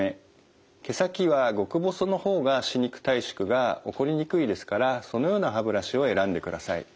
毛先は極細の方が歯肉退縮が起こりにくいですからそのような歯ブラシを選んでください。